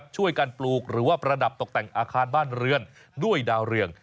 ช่วยกันปลูกหรือว่าประดับตกแต่งอาคารบ้านเรือนด้วยดาวเรือง